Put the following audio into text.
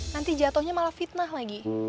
nanti jatuhnya malah fitnah lagi